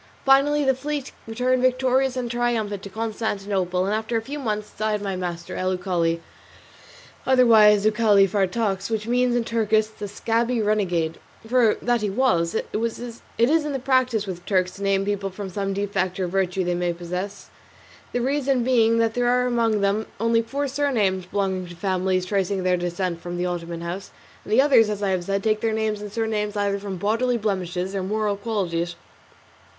Finally the fleet returned victorious and triumphant to Constantinople, and a few months later died my master, El Uchali, otherwise Uchali Fartax, which means in Turkish "the scabby renegade;" for that he was; it is the practice with the Turks to name people from some defect or virtue they may possess; the reason being that there are among them only four surnames belonging to families tracing their descent from the Ottoman house, and the others, as I have said, take their names and surnames either from bodily blemishes or moral qualities.